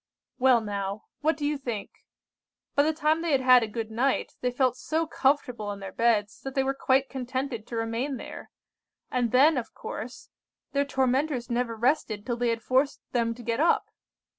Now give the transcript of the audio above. "Well now, what do you think? By the time they had had a good night, they felt so comfortable in their beds, that they were quite contented to remain there; and then, of course, their tormentors never rested till they had forced them to get up!